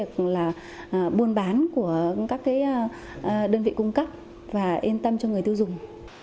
của các đơn vị cung cấp và yên tâm cho người tiêu dùng